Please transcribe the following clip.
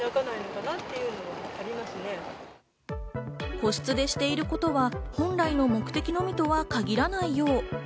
個室でしていることは、本来の目的のみとは限らないよう。